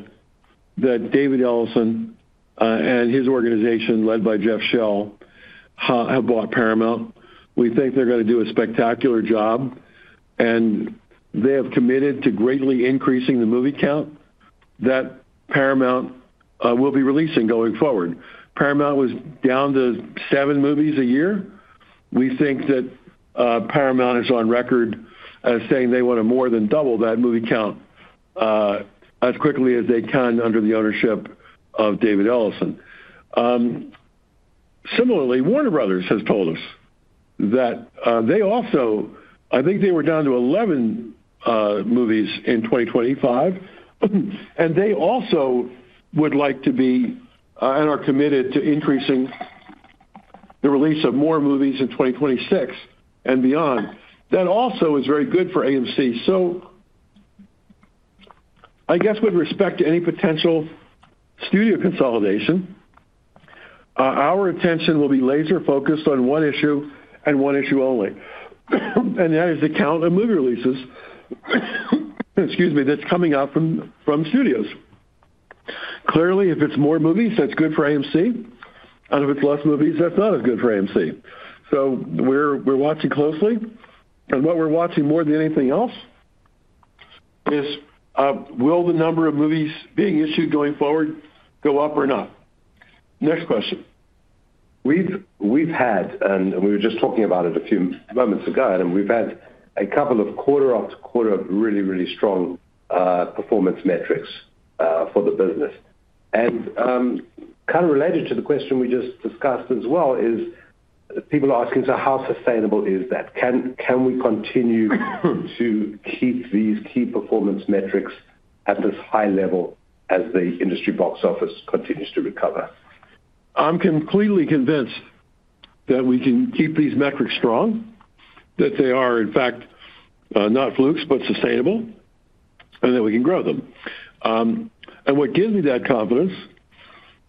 that David Ellison and his organization led by Jeff Shell have bought Paramount. We think they're going to do a spectacular job. And they have committed to greatly increasing the movie count that Paramount will be releasing going forward. Paramount was down to seven movies a year. We think that Paramount is on record as saying they want to more than double that movie count as quickly as they can under the ownership of David Ellison. Similarly, Warner Bros. has told us that they also—I think they were down to 11 movies in 2025. And they also would like to be and are committed to increasing the release of more movies in 2026 and beyond. That also is very good for AMC. So. I guess with respect to any potential studio consolidation, our attention will be laser-focused on one issue and one issue only. That is the count of movie releases. Excuse me, that's coming out from studios. Clearly, if it's more movies, that's good for AMC. If it's less movies, that's not as good for AMC. We are watching closely. What we are watching more than anything else is, will the number of movies being issued going forward go up or not? Next question. We've had—and we were just talking about it a few moments ago—we've had a couple of quarter after quarter of really, really strong performance metrics for the business. Kind of related to the question we just discussed as well is, people are asking, "So how sustainable is that? Can we continue to keep these key performance metrics at this high level as the industry box office continues to recover? I'm completely convinced that we can keep these metrics strong, that they are, in fact, not flukes, but sustainable, and that we can grow them. What gives me that confidence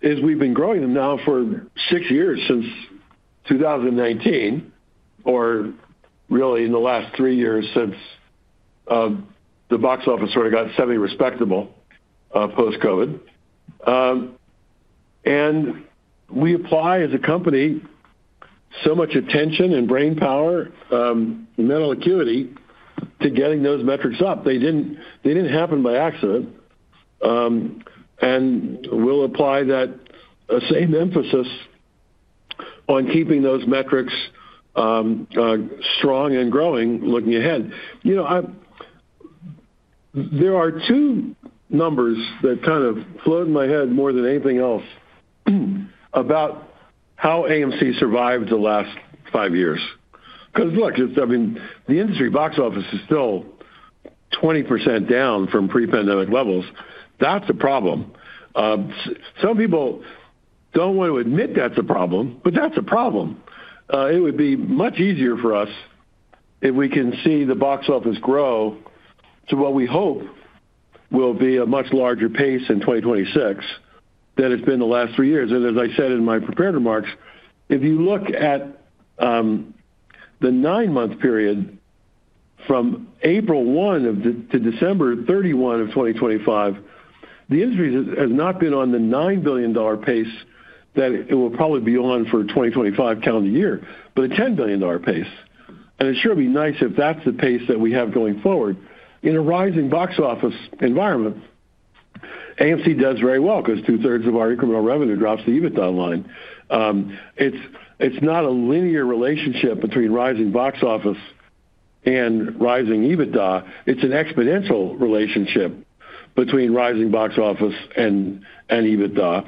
is we've been growing them now for six years since 2019, or really in the last three years since the box office sort of got semi-respectable post-COVID. We apply, as a company, so much attention and brain power and mental acuity to getting those metrics up. They didn't happen by accident. We'll apply that same emphasis on keeping those metrics strong and growing looking ahead. There are two numbers that kind of float in my head more than anything else about how AMC survived the last five years. Because, look, I mean, the industry box office is still 20% down from pre-pandemic levels. That's a problem. Some people don't want to admit that's a problem, but that's a problem. It would be much easier for us if we can see the box office grow to what we hope will be a much larger pace in 2026 than it's been the last three years. As I said in my prepared remarks, if you look at the nine-month period from April 1 to December 31 of 2025, the industry has not been on the $9 billion pace that it will probably be on for 2025 calendar year, but a $10 billion pace. It sure would be nice if that's the pace that we have going forward. In a rising box office environment, AMC does very well because two-thirds of our incremental revenue drops the EBITDA line. It's not a linear relationship between rising box office and rising EBITDA. It's an exponential relationship between rising box office and EBITDA.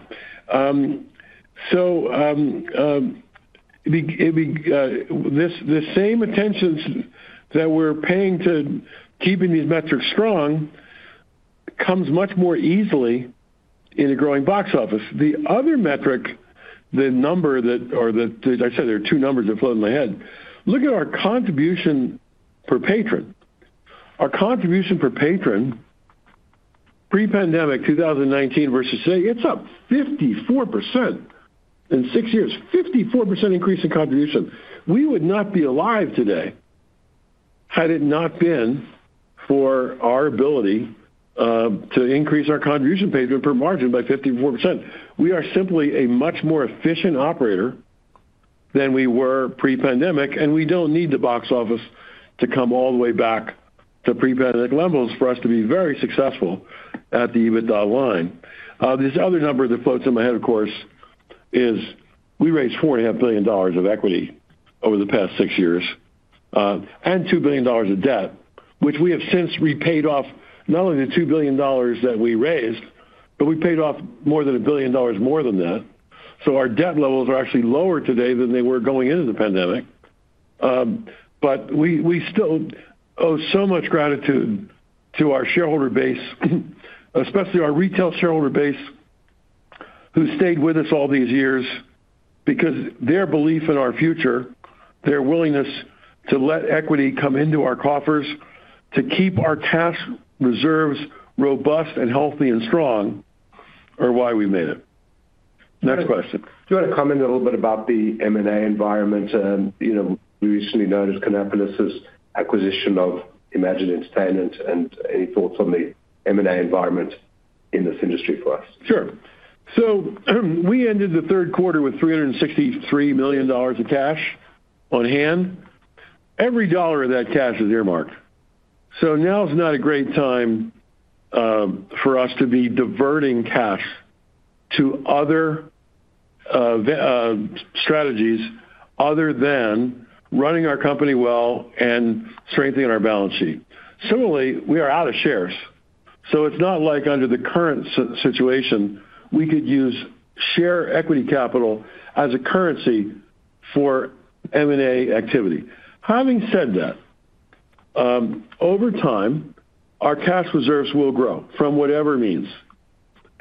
The same attentions that we're paying to keeping these metrics strong comes much more easily in a growing box office. The other metric, the number that—or I said there are two numbers that float in my head—look at our contribution per patron. Our contribution per patron. Pre-pandemic 2019 versus today, it's up 54%. In six years. 54% increase in contribution. We would not be alive today had it not been for our ability to increase our contribution payment per margin by 54%. We are simply a much more efficient operator than we were pre-pandemic, and we don't need the box office to come all the way back to pre-pandemic levels for us to be very successful at the EBITDA line. This other number that floats in my head, of course, is we raised $4.5 billion of equity over the past six years. And $2 billion of debt, which we have since repaid off not only the $2 billion that we raised, but we paid off more than a billion dollars more than that. Our debt levels are actually lower today than they were going into the pandemic. We still owe so much gratitude to our shareholder base, especially our retail shareholder base, who stayed with us all these years because their belief in our future, their willingness to let equity come into our coffers, to keep our cash reserves robust and healthy and strong, are why we've made it. Next question. Do you want to comment a little bit about the M&A environment and. We recently noticed Cinepolis's acquisition of Imagine Entertainment and any thoughts on the M&A environment in this industry for us? Sure. We ended the third quarter with $363 million of cash on hand. Every dollar of that cash is earmarked. Now is not a great time for us to be diverting cash to other strategies other than running our company well and strengthening our balance sheet. Similarly, we are out of shares. It is not like under the current situation we could use share equity capital as a currency for M&A activity. Having said that, over time, our cash reserves will grow from whatever means.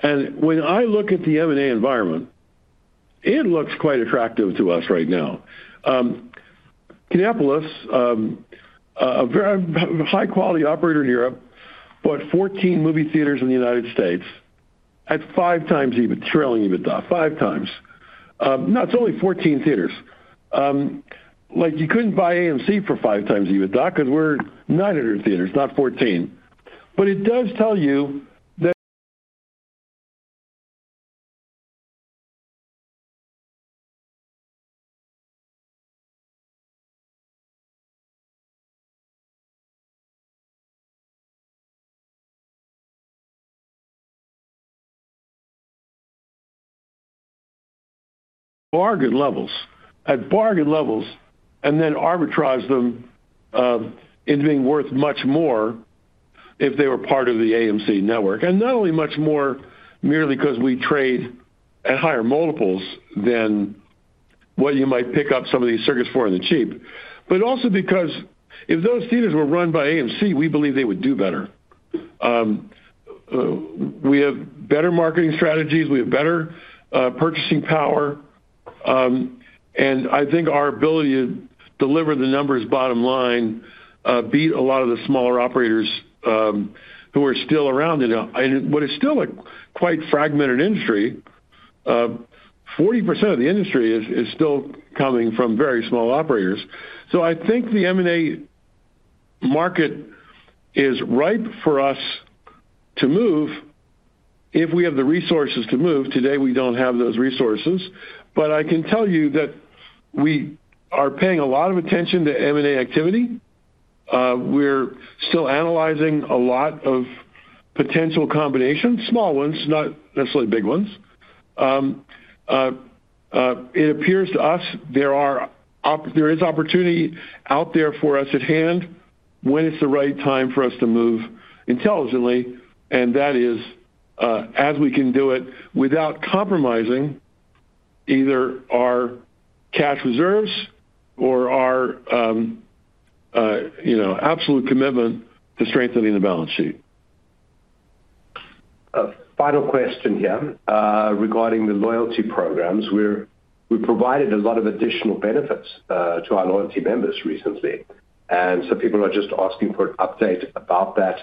When I look at the M&A environment, it looks quite attractive to us right now. Cinepolis, a very high-quality operator in Europe, bought 14 movie theaters in the United States at 5x EBIT, trailing EBITDA, 5x. No, it's only 14 theaters. You couldn't buy AMC for 5x EBITDA because we're 900 theaters, not 14. It does tell you that. Bargain levels. At bargain levels and then arbitrage them into being worth much more if they were part of the AMC network. Not only much more merely because we trade at higher multiples than what you might pick up some of these circuits for in the cheap, but also because if those theaters were run by AMC, we believe they would do better. We have better marketing strategies. We have better purchasing power. I think our ability to deliver the numbers bottom line beat a lot of the smaller operators who are still around in what is still a quite fragmented industry. 40% of the industry is still coming from very small operators. I think the M&A market is ripe for us. To move. If we have the resources to move. Today, we don't have those resources. I can tell you that we are paying a lot of attention to M&A activity. We're still analyzing a lot of potential combinations, small ones, not necessarily big ones. It appears to us there is opportunity out there for us at hand when it's the right time for us to move intelligently. That is as we can do it without compromising either our cash reserves or our absolute commitment to strengthening the balance sheet. A final question here regarding the loyalty programs. We've provided a lot of additional benefits to our loyalty members recently. Some people are just asking for an update about that.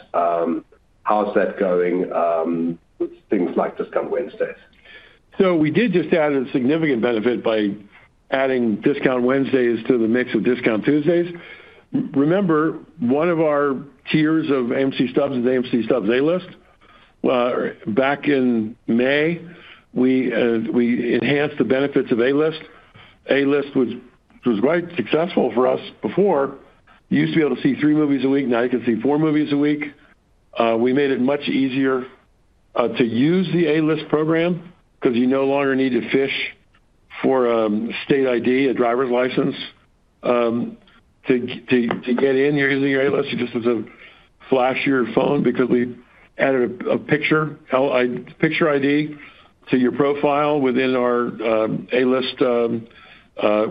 How's that going with things like Discount Wednesdays? We did just add a significant benefit by adding Discount Wednesdays to the mix of Discount Tuesdays. Remember, one of our tiers of AMC Stubs is AMC Stubs A-List. Back in May, we enhanced the benefits of A-List. A-List was quite successful for us before. You used to be able to see three movies a week. Now you can see four movies a week. We made it much easier to use the A-List program because you no longer need to fish for a state ID, a driver's license to get in using your A-List. You just have to flash your phone because we added a picture ID to your profile within our A-List,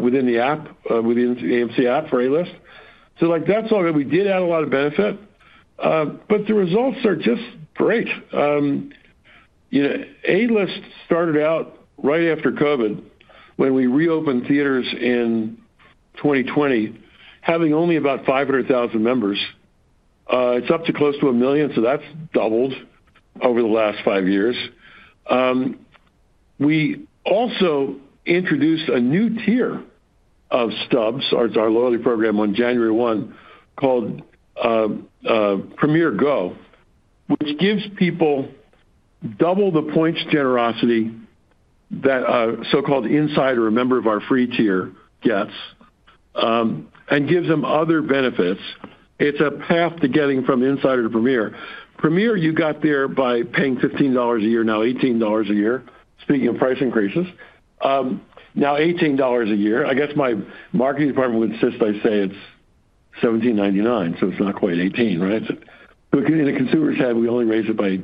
within the app, within the AMC app for A-List. That is all. We did add a lot of benefit. The results are just great. A-List started out right after COVID when we reopened theaters in 2020, having only about 500,000 members. It's up to close to a million, so that's doubled over the last five years. We also introduced a new tier of Stubs, our loyalty program, on January 1, called Premier Go, which gives people double the points generosity that a so-called Insider or member of our free tier gets, and gives them other benefits. It's a path to getting from Insider to Premier. Premier, you got there by paying $15 a year, now $18 a year, speaking of price increases. Now $18 a year. I guess my marketing department would insist I say it's $17.99, so it's not quite $18, right? In a consumer's head, we only raise it by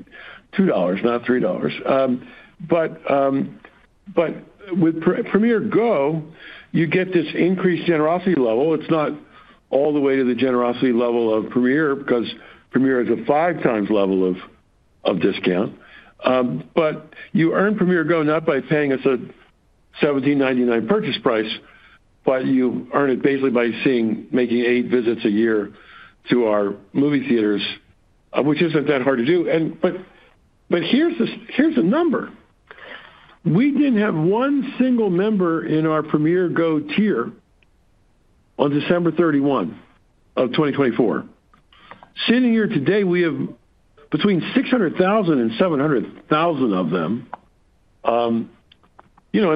$2, not $3. With Premier Go, you get this increased generosity level. It's not all the way to the generosity level of Premier because Premier is a 5x level of discount. You earn Premier Go not by paying us a $17.99 purchase price, but you earn it basically by making eight visits a year to our movie theaters, which is not that hard to do. Here is the number. We did not have one single member in our Premier Go tier on December 31 of 2024. Sitting here today, we have between 600,000-700,000 of them.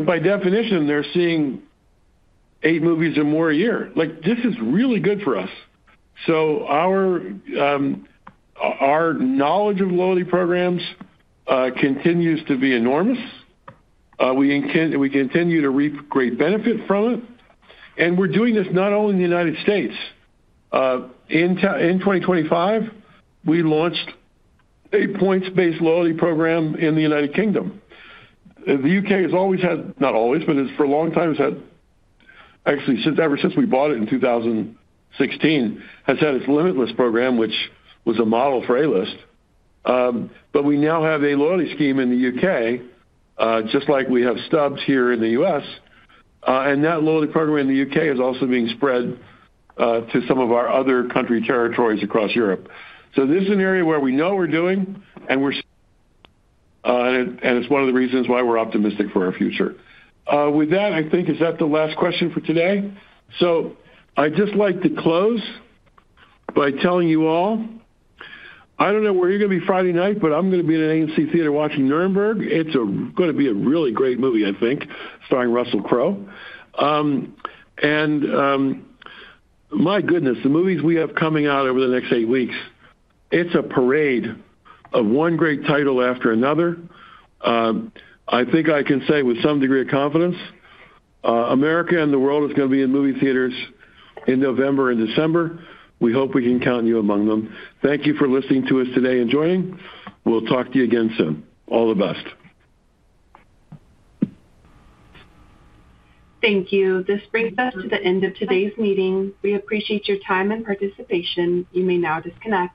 By definition, they are seeing eight movies or more a year. This is really good for us. Our knowledge of loyalty programs continues to be enormous. We continue to reap great benefit from it. We are doing this not only in the United States. In 2025, we launched a points-based loyalty program in the United Kingdom. The U.K. has always had, not always, but for a long time has had. Actually, ever since we bought it in 2016, has had its Limitless program, which was a model for A-List. We now have a loyalty scheme in the U.K., just like we have Stubs here in the U.S. That loyalty program in the U.K. is also being spread to some of our other country territories across Europe. This is an area where we know we're doing, and it is one of the reasons why we're optimistic for our future. With that, I think is that the last question for today. I would just like to close by telling you all, I do not know where you're going to be Friday night, but I'm going to be in an AMC theater watching Nuremberg. It's going to be a really great movie, I think, starring Russell Crowe. My goodness, the movies we have coming out over the next eight weeks, it's a parade of one great title after another. I think I can say with some degree of confidence. America and the world is going to be in movie theaters in November and December. We hope we can count you among them. Thank you for listening to us today and joining. We'll talk to you again soon. All the best. Thank you. This brings us to the end of today's meeting. We appreciate your time and participation. You may now disconnect.